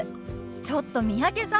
ちょっと三宅さん